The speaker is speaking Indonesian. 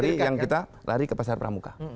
sekarang lari yang kita lari ke pasar pramuka